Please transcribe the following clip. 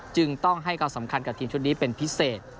จึงต้องให้ความสำคัญกับทีมชุดนี้เป็นพิเศษ